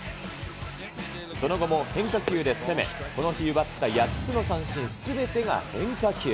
その後も変化球で攻め、この日奪った８つの三振すべてが変化球。